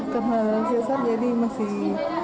karena selesai jadi masih